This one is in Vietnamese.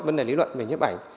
vấn đề lý luận về nhếp ảnh